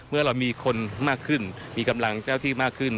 เมื่อเรามีคนมากขึ้นมีกำลังเจ้าที่มากขึ้น